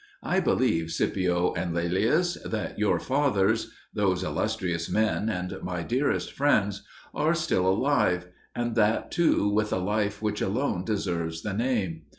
I believe, Scipio and Laelius, that your fathers those illustrious men and my dearest friends are still alive, and that too with a life which alone deserves the name.